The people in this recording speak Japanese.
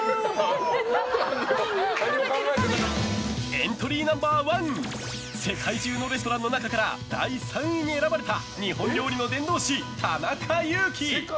エントリーナンバー１世界中のレストランの中から第３位に選ばれた日本料理の伝道師、田中佑樹。